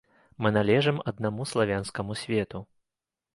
Мы належым аднаму славянскаму свету.